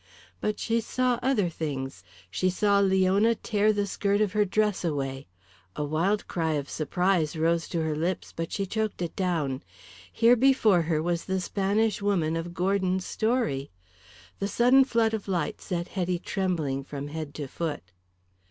But she saw other things; she saw Leona tear the skirt of her dress away; a wild cry of surprise rose to her lips, but she choked it down. Here before her was the Spanish woman of Gordon's story. The sudden flood of light set Hetty trembling from head to foot.